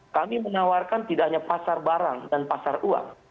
kami menawarkan tidak hanya pasar barang dan pasar uang